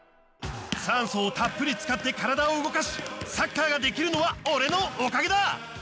酸素をたっぷりつかってからだをうごかしサッカーができるのはオレのおかげだ！